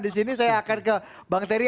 di sini saya akan ke bang terry